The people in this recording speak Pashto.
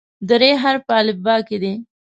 د "ر" حرف په الفبا کې دی.